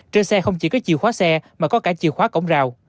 trên xe không chỉ có chìa khóa xe mà có cả chiều khóa cổng rào